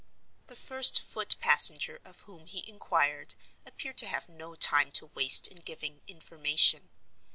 The first foot passenger of whom he inquired appeared to have no time to waste in giving information.